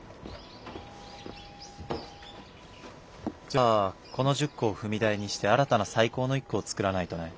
じゃあこの１０個を踏み台にして新たな最高の１個を作らないとね。